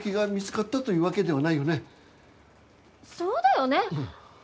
そうだよね。